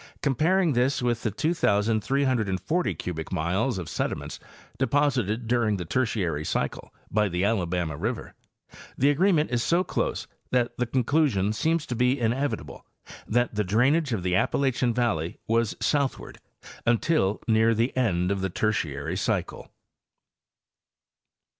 Comparing this with the 2,340 cubic miles of sediments deposited during the Tertiary cycle by the Alabama river, the agreement is so close that the conclusion seems to be inevitable that the drainage of the Appalachian valley was south ward until near the end of the Tertiary cycle.